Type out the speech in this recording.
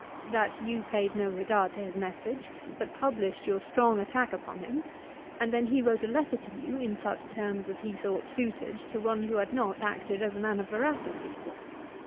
That you paid no regard to his message, but published your strong attack upon him; and then he wrote a letter to you, in such terms as he thought suited to one who had not acted as a man of veracity.